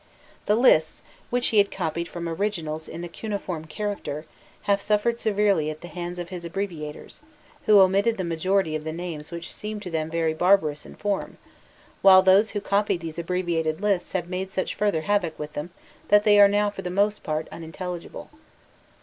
The lists, which he had copied from originals in the cuneiform character, have suffered severely at the hands of his abbreviators, who omitted the majority of the names which seemed to them very barbarous in form, while those who copied these abbreviated lists have made such further havoc with them that they are now for the most part unintelligible.